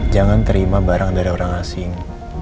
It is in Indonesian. jangan terima barang dari orang asing